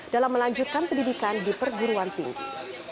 dalam melanjutkan pendidikan di perguruan tinggi